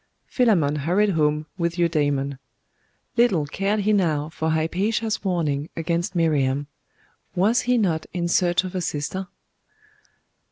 Philammon hurried home with Eudaimon. Little cared he now for Hypatia's warning against Miriam.... Was he not in search of a sister?